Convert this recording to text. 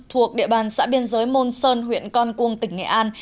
thuộc địa bàn xã biên giới môn sơn huyện con cuông tỉnh nghệ an